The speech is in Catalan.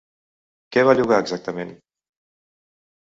Què va llogar exactament?